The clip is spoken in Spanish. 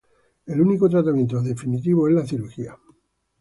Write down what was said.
El único tratamiento definitivo es la cirugía.